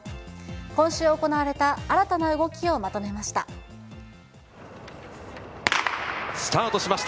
今週行われた新たな動きをまとめました。